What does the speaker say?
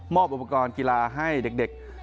อุปกรณ์กีฬาให้เด็ก